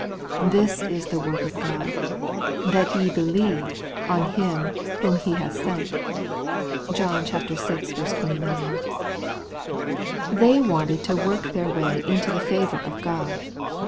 ' This is the work of God, that ye believe on Him whom He hath sent' (John vi 29). They wanted to work their way into the favour of God.